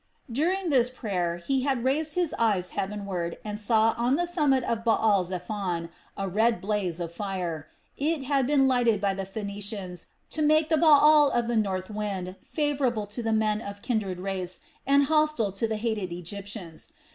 During this prayer he had raised his eyes heavenward and saw on the summit of Baal zephon the red blaze of a fire. It had been lighted by the Phoenicians to make the Baal of the north wind favorable to the men of kindred race and hostile to the hated Egyptians.